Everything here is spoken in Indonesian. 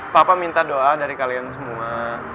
papa minta doa dari kalian semua